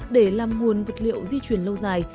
để làm nguồn vật liệu di chuyển lâu dài